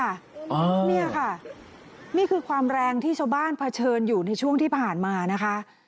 เนี่ยค่ะนี่คือความแรงที่ชาวบ้านเผชิญอยู่ในช่วงที่ผ่านมานะคะ